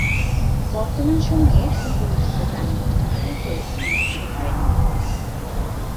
বর্তমান সময়ের সুপরিচিত গাণিতিক যুক্তির প্রয়োগ তিনি করতে পারেন নাই।